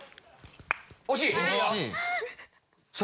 惜しい！